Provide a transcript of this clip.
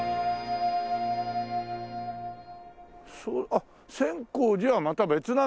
あっ千光寺はまた別なんだな。